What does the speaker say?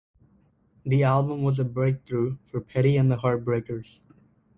The album was a breakthrough for Petty and the Heartbreakers.